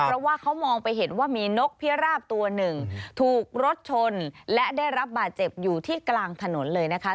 เพราะว่าเขามองไปเห็นว่ามีนกพิราบตัวหนึ่งถูกรถชนและได้รับบาดเจ็บอยู่ที่กลางถนนเลยนะคะ